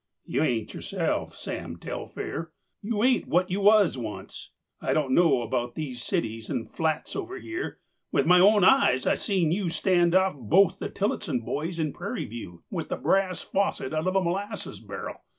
"You ain't yourself, Sam Telfair. You ain't what you was once. I don't know about these cities and flats over here. With my own eyes I seen you stand off both the Tillotson boys in Prairie View with the brass faucet out of a molasses barrel.